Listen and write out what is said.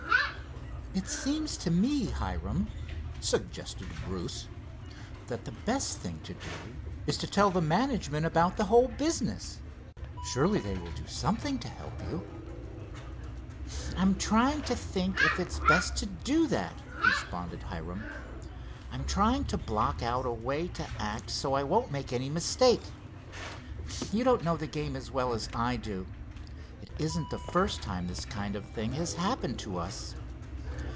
"It seems to me, Hiram," suggested Bruce, "that the best thing to do is to tell the management about the whole business. Surely they will do something to help you." "I'm trying to think if it's best to do that," responded Hiram. "I'm trying to block out a way to act so I won't make any mistake. You don't know this game as well as I do. It isn't the first time this kind of a thing has happened to us.